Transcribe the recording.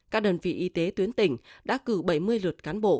các đơn vị y tế tuyến tỉnh đã cử bảy mươi lượt cán bộ